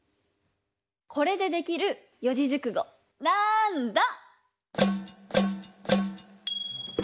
これでできる四字熟語なんだ？